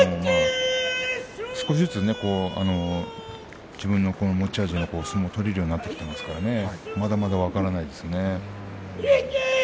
少しずつ自分の持ち味の相撲が取れるようになっていますからまだまだ分からないですね。